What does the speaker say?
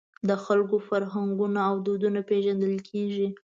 د خلکو فرهنګونه او دودونه پېژندل کېږي.